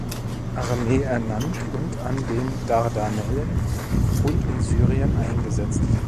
Armee ernannt und an den Dardanellen und in Syrien eingesetzt.